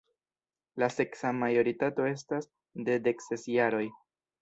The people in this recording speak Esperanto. La seksa majoritato estas de dekses jaroj.